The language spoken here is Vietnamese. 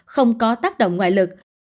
không có tác động ngoại lực